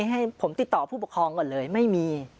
ให้ผมติดต่อผู้ปกครองก่อนเลยไม่มี